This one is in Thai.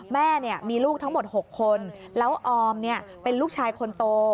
แม่มีลูกทั้งหมด๖คนแล้วออมเป็นลูกชายคนโต